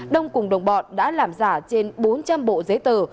đông cùng đồng bọn đã làm giả trên bốn trăm linh bộ giấy tờ